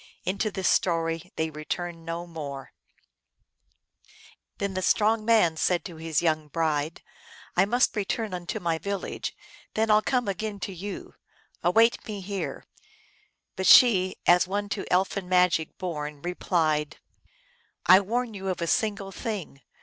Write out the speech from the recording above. Into this story they return no more. THE THREE STRONG MEN. 317 And then the strong man said to his young bride, " I must return unto my village ; then I 11 come again to you ; await me here." But she, as one to elfin magic born, replied, " I warn you of a single thing.